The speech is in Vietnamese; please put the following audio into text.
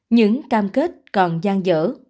những cam kết còn gian dở